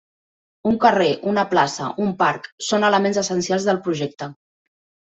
Un carrer, una plaça, un parc, són elements essencials del projecte.